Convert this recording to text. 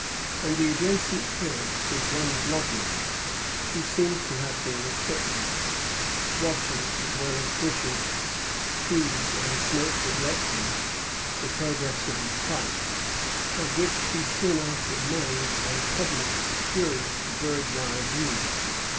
On the adjacent hill stood one Blodget, who seems to have been a sutler, watching, as well as bushes, trees, and smoke would let him, the progress of the fight, of which he soon after made and published a curious bird's eye view.